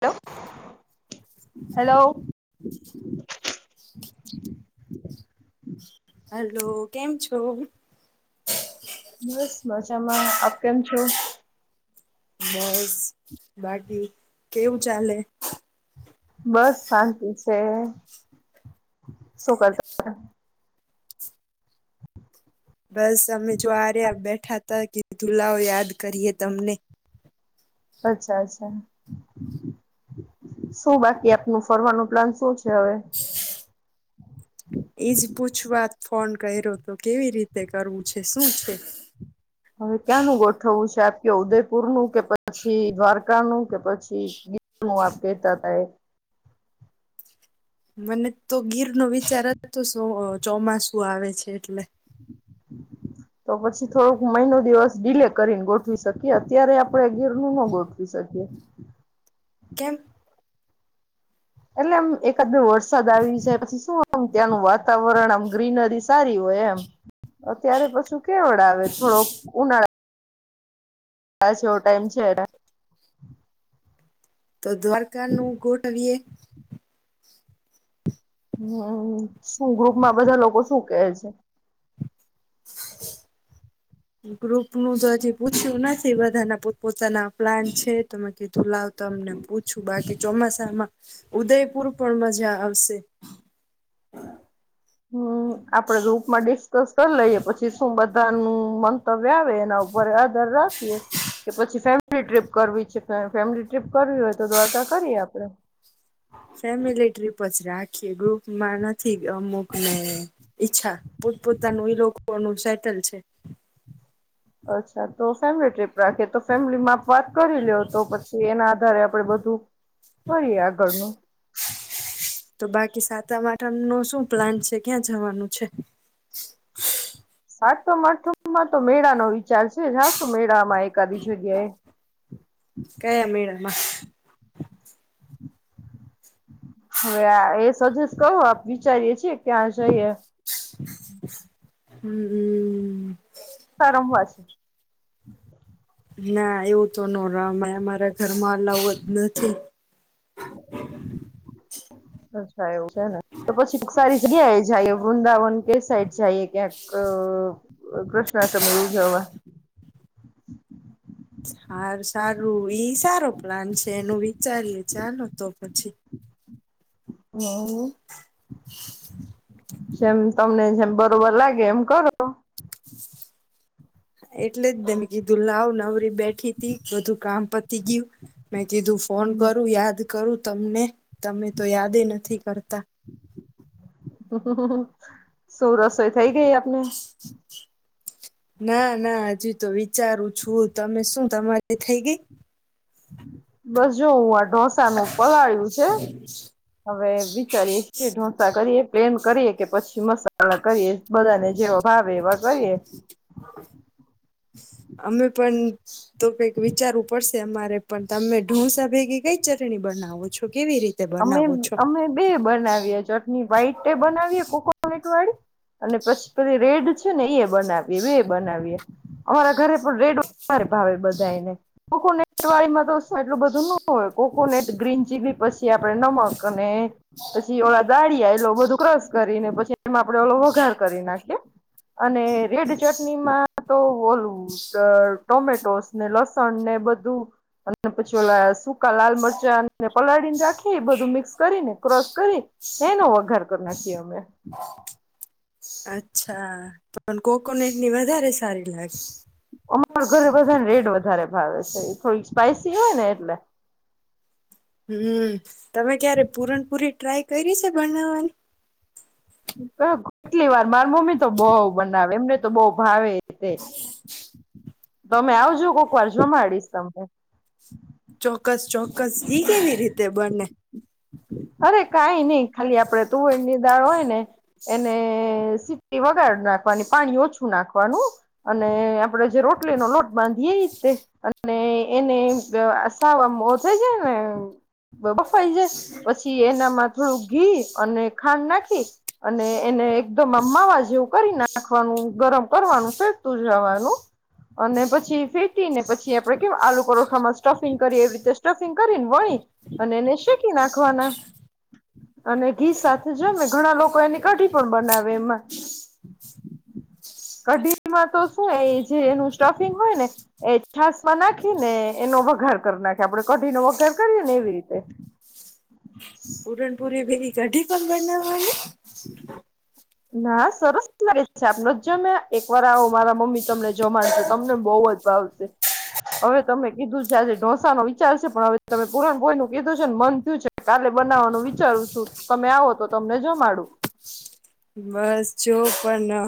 Hello, hello. Hello, કેમ છો? બસ મજામાં આપ કેમ છો? બસ [unintelligible] બાકી કેવું ચાલે? બસ શાંતિ છે. શું કરતા છે? બસ, અમે જો આ રહ્યા બેઠા હતા કે, લાવ યાદ કરીએ. તમને અચ્છા અચ્છા સું બાકી આપનું ફરવાનું પ્લાન શું છે હવે એઈજ પૂછવાત ફોન કર્યો તો કેવી રીતે કરવું છે શું છે હવે ક્યાંનું ગોઠવવું છે આપ કે ઉદયપુર નું કે પછી દ્વારકા નું કે પછી ગીર નું આપ કેતાતા એ મને તો ગીર નો વિચાર [unintelligible] ચોમાસું આવે છે એટલે તો પછી થોડોક મહિનો દિવસ ડીલે કરીને ગોઠવી શકીએ અત્યારે આપણે ગીર નું હો ગોઠવી શકીએ. [inaudible] કેમ એટલે એમ એકાદ વરસાદ આવી છે પછી શું આમ ત્યાંનું વાતાવરણ આમ ગ્રીનરી સારી હોય એમ અત્યારે પછું કેવડ આવે થોડોક ઉનાળા [unintelligible] એવો ટાઈમ છે. તો દ્વારકા નું ગોઠવીએ હમ્મ શું ગ્રુપમાં બધા લોકો શું કે છે [inaudible] ગ્રુપ નું તો હજી પૂછ્યું નથી બધા ના પોત પો તાના પ્લાન છે તો મે કી ધું લાવ તમને પૂછું બાકી ચોમાસામાં ઉદયપુર પણ મજા આવશે. હમ્મ આપડે ગ્રુપમાં ડિસ્કસ કર લઈએ પછી શું બધા નું મંતવ્ ય આવે એના ઉપર આધર રાખી કે પછી ફેમિલી ટ્રીપ કરવી છે ફેમિલી ટ્રીપ કરવી હોય તો દ્વારકા કરીએ આપડે. ખેડૂપ મારના થી અમુકને ઈચ્છા પોત પોતાનું એ લોકોનું છે. ચલ છે અચ્છા તો ફેમિલી ટ્રિપ રાખે તો ફેમિલી માં વાત કરી લ્યો તો પછી એના આધારે પણ બધું ફરી આગળનું [inaudible] તો બાકી સાતા આઠમ નો શું પ્લાન્ટ છે ક્યાં જવાનું છે સાત આઠમાં તો મેળા નો વિચાર છે જાશું મેળામાં એકાદી જગ્યાએ કયા મેળામાં હવે એ સજેસ કરો આપ વિચારીયે છીએ ક્યાં જઈએ હમ હમ રમવા [inaudible] ના એવું તો ન રમે અમારા ઘરમાં અલાવ જ નથી [inaudible] એવું છે ને તો પછી કોઈ સારી જગ્યા એ જાય વૃંદાવન કે સાઈડ જઈએ ક્યાંક કૃષ્ણાષ્ટમી ઉજવવા હાર સારું ઈ સારો પ્લાન છે એનું વિચારીએ ચાલો તો પછી હમ જેમ તમને જેમ બરોબર લાગે એમ કરો એટલે જ મેને કીધું લાવ નવરી બેઠી તી બધું કામ પતી ગયું મે કીધું ફોન કરું યાદ કરું તમને તમે તો યાદ નથી કરતા હ હ શું રસોઈ થઈ ગઈ આપને ના ના હજુ તો વિચારું છું તમે શું તમારી થઈ ગઈ બસ જો હું આ ઢોસા નું પલાળ્યું છે હવે વિચારીએ છે ઢોસા કરીએ પ્લેન કરીએ કે પછી મસાલા કરીએ બધાને જેવા ભાવે એવા કરીએ અમે પણ તો કઈક વિચારવું પડશે અમારે પણ તમે ઢોંસા ભેગી ગઈ ચરણી બનાવો છો કેવી રીતે અમે બનાવો છો અમે બે બનાવીએ ચટણી વ્હાઈટ બનાવીયએ કોકોનટ વાળી અને પેલી પછી રેડ છે ને એ બનાવીએ બે બનાવીએ અમારા ઘરે પણ રેડ ભાવે બધા જાયને કોકોનેટ વાળીમાં તો એટલું બધું ન હોય કોકોનેટ ગ્રીન ચીલી પછી આપણે નમક અને પછી ઓળ દાળીયા એલો બધું ક્રસ કરીને પછી એમાં આપડે ઓલો વઘાર કરી નાખીએ અને રેડ ચટણીમાં તો ઓલું ટોમેટોસ ને લસણ ને બધું અને પછી ઓલા સુંકા લાલ મરચાં પલાળીને રાખી બધું મિક્સ કરીને ક્રસ કરી એનો વઘાર કરી નાખીએ અમે [inaudible] અચ્છા પણ કોકોનટ ની વધારે સારી ફ્શ અમાર ઘરે બધા [unintelligible] હોય. વધારે ભાવે છે એ થોડીક સ્પાઈસી હોય ને એટલે. હમ્મ. તમે ક્યારે પૂરનપુરી ટ્રાય કરી છે બનાવવાની. હમ. કેટલી વાર માર મમ્મી તો બો બનાવે એમને તો બહુ ભાવે તે તમે આવજો કોક વાર જોમાંડીશ તમને. [inaudible] ચોક્કસ ચોક્કસ હિ કેવી રીતે બને. અરે કઈ નહી ખાલી આપણેે તુવેરની દાળ હોય ને એને સીટી વગાડ નાખવાની પાણી ઓછું નાખવાનું અને આપણેે જે રોટલીનો લોટ બાંધીએ રીતે અને એને [unintelligible] થઈ જાય ને બફાઈ જાય પછી એનામાં થોડું ઘી અને ખાંડ નાખી અને એને એકદમ અમમાવા જેવું કરી નાખવાનું ગરમ કરવાનું ફેટતું જવાનું અને પછી ફેટીને પછી આપડે કેમ આલુ પરોઠામાં સ્ટફિંગ કરીએ એવી રીતે સ્ટફિંગ કરીને વણી અને એને શેકી નાખવાના અને ઘી સાથે જને ઘણા લોકો એની કઢી પણ બનાવે એમાં કઢીમાં તો શું એ જે એનું સ્ટફિંગ હોય ને એ છાસ માં નાખી ને એનો વઘાર કરી નાખ આપડે કઢી નો વગેર કરીયે ને એવી રીતે. પુરણપુરી ભેરી કઢી પણ બના [inaudible] ના સરસ છે આપને જ જમ્યા એક વાર આવો મારા મમ્મી તમને જમાડશે તમને બહુ જ ભાવશે હવે તમે કીધું છે આજેઢંસો વિચાર છે પણ હવે તમે પુરણપુરી નું કીધું છે મન થયું છે. કાલે બનાવવાનું વિચારું છું તમે આવો તો તમને જમાડું. બસ જો પણ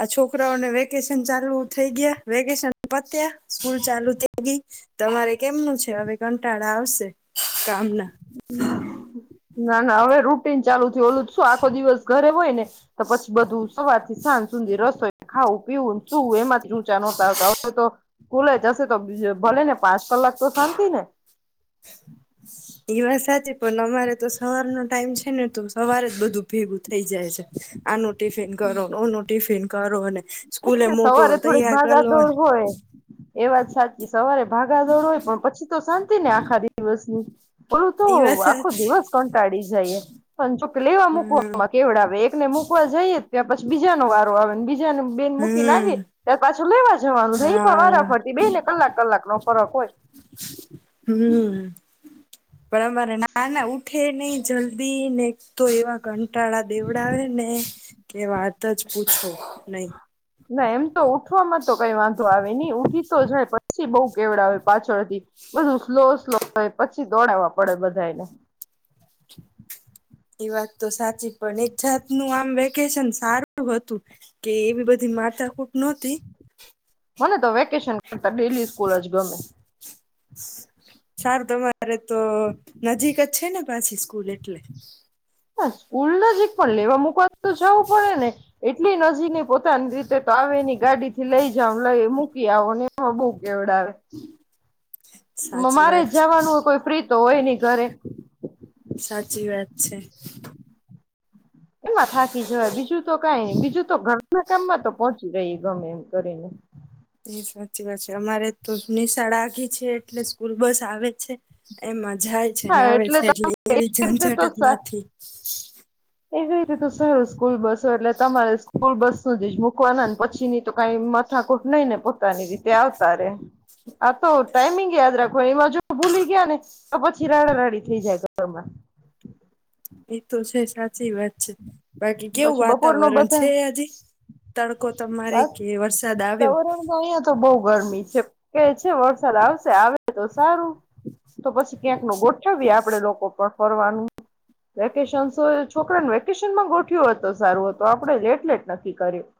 આ છોકરાઓને વેકેશ શન ચાલુ થઈ ગયા વેકેશન પત્યા સ્કૂલ ચાલુ થઈ ગઈ. તમારે કેમનું છે હવે કંટાળા આવશે કામના. [inaudible] ના ના હવે રૂટીન ચાલુ થયું ઓલું આખો દિવસ ઘરે હોય ને તો પછી બધું સવાર થી સાંજ સુધી રસોઈ ખાવું પીવું સુવું એમાંથી ઊંચા નહોતા આવતા હવે તો સ્કૂલે જશે તો ભલે ને પાંચ કલાક તો શાંતિ ને. [inaudible] એ વાત સાચી પણ અમારે તો સવાર નો ટાઈમ છે ને તો સવાર જ બધું ભેગું થાય. થઇ જાય છે આનું ટિફિન કરોનું ઓનું ટિફિન કરો અને એજ સ્કૂલે ને મોકલો સવારે થોડીક તૈયાર કરો ભાગા દોડ હોય એ વાત સાચી સવારે ભાગા દોડ હોય પણ પછી તો શાંતિ ને આખા દિવસની ઓલું તો એ વાત આખો સાચી દિવસ કંટાળી જઈએ પણ લેવા હમ મૂકવામાં કેવડાવે આવે એકને મૂકવા જઈએ ત્યા પછી બીજાનો વારો આવે બીજાને મૂકી ને હમ આવીએ ત્યારે પાછું લેવા જવાનું છે એ પણ હા વારાફરતી બે ને કલાક કલાક નો ફરક હોય હમ પણ અમારા નાના ઊઠે નહી જલ્દી ને તો એવા કંટાળા દેવડાવે ને કે વાત જ પૂછો નહી ના એમ તો ઉઠવામાં તો કઈ વાંધો આવે નહી ઉઠી તો જાય પછી બહુ કેવડાવે હોય પાછળથી બધું સ્લો સ્લો હોય પછી દોડાવવા પ પડે બધાંયને એ વાત તો સાચી પણ એક જાતનું આમ વેકેશન સારું હતું કે એવી બધી માથાકૂટ નહોતી મને તો વેકેશન કરતા ડેલી સ્કૂલ જ ગમે [inaudible] સારું તમારે તો નજીક જ છે ને પાછી સ્કૂલે હા સ્કુલ નજીક પણ લેવા મુકવા તો જવું પડે ને એટલી નજીકે પોતાની રીતે તો આવેની ગાડી થી લઈ જાવ લઈ મૂકી આવો ને એમાં બહુ કેવડાવે [inaudible] સાચી મારે વાત છે જવાનું હોય કોઈ ફ્રી તો હોય નહી ઘરે સાચી વાત છે એમાં થાકી જવાય બીજું તો કઈ નહીં બીજું તો ઘરના કામમાં તો પહોંચી રહી ગમે એમ કરીને એ સાચી વાત છે તમારે તો નીસાડે એ છે એટલે સ્કૂલ બસ આવે છે એમાં જાય છે ને હા આવે એટલે છે સારું એવી ઝંઝટ જ નથી એક રીતે તો સારું સ્કૂલ બસો એટલે તમારે સ્કૂલ બસ સુધી જ મૂકવું મુકવા ના પછી ન તો કઈ માથાકુટ નઈ ને પોતાની રીતે આવતા રે આ તો ટાઈમિંગ યાદ રાખો એમાં જો ભૂલી ગયા ને તો પછી રાડા રાડી થઈ જાય ઘરમાં એ તો છે સાચી વાત બાકી કેવું પછી વાતાવરણ છે આજે તડકો તમારે વા કે વરસાદ આવ્યો સવરણમાં અહિયાં તો બહ ગરમી છે કે છે વરસાદ આવશે આવે તો સારું તો પછી ક્યાંક ન ગોઠવીએ આપડે લોકો પણ ફનું વેકેશન છોકરાને વેકેશનમાં ગોઠ્યું હતો સારું હત આપડે એટલે જ નક્કી કર્યું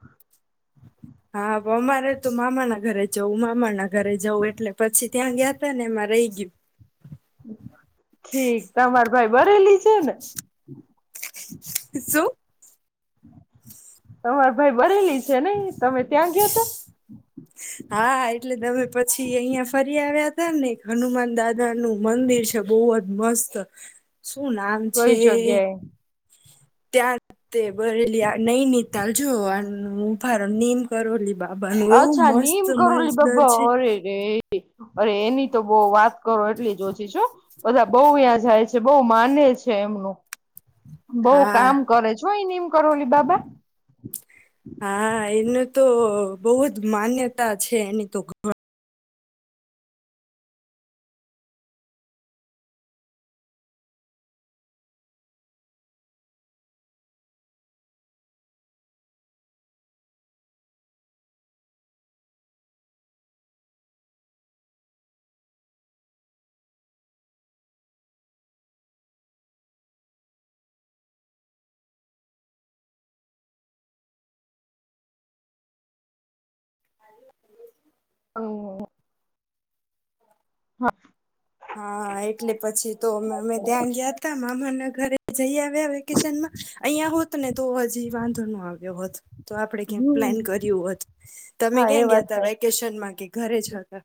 હા અમારે તું મામાના ઘરે જવું મામા ના ઘરે જવઉં એટલે પછી ત્યાં ગયા હતા ને એમાં રહી ગયું ઠીક તમાર ભાઈ બરેલી છે ને શું તમાર ભાઈ બરેલી છે ને તમે ત્યાં ગયો ત હા એટલે તમે પછી અહિયાં ફરી આવ્યા ત ને હનુમાન દાદા નું મંદિર છે બહુ જ મસ્ત શું નામ છે કોઈ જગ્યાએ ત્યાં તે ભરેલી નહી નીતાાલ જોવા ફાર નિમ કરલી અછા નિમ કરરોલી બબા છે ઓરે ર અરે એની તો બહ વાત કરો એટલી જ ઓછી છું બધા બહુ ્યાં જાય છે બહુ માને છે એમનું બઉ હા કામ કરે છો અ નિમ કરોલી બાબા હા એનું તો બહુ જ માન્યતા છે એની તો હું ઓ હા હા એટલે પછી તો અમે અમે ત્યાં ગયા હતા મામાને ઘરે જઈએ ે અ ને તો હજી વાંધો નો આવ્યો હોત તો આપડે ક્યાં પ્લાન કર્યું હતું તમે હા એ ક્યાં વાત ગયા ત સાચી વેકેશનમાં કે ઘરે જ હતા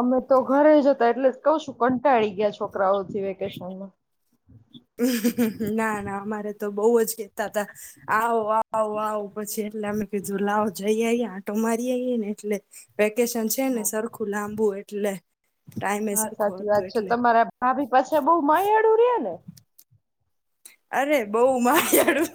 અમે તો ઘરે જ હતા એટલે કઉ શું કંટાળી ગયા છોકરાઓથી વેકેશનમાં ના ના અમારે તો બહ જ કતા હતા આવો આવો આવો પછી એટલે અમે કીધું લાવ જઈએ આંટો મારી આવીઈએ ને એટલે વકેશન છે ને હા સરખું લાંબુું એટ એટલે ટાઈમે હા સરખો સાચી હતો વાત છે એટલે તમારા ભાભી પાસે બહુ મય એળું રે ને અરે બહ મારિયાળું